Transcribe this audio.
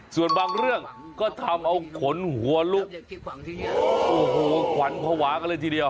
ส่วนบางเรื่องก็ทำเอาขนหัวลุกโอ้โหขวัญภาวะกันเลยทีเดียว